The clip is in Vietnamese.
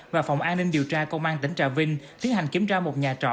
và phòng an ninh điều tra công an tỉnh trà vinh thiết hành kiểm tra một nhà trọ